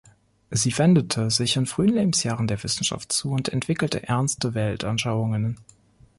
Sie wendete sich in frühen Lebensjahren der Wissenschaft zu und entwickelte ernste Weltanschauungen.